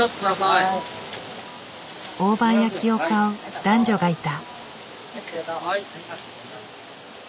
大判焼きを買う男女がいた。